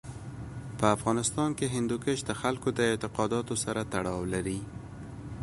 په افغانستان کې هندوکش د خلکو د اعتقاداتو سره تړاو لري.